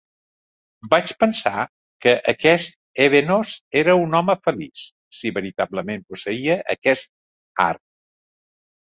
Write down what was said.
Vaig pensar que aquest Evenos era un home feliç si veritablement posseïa aquest art.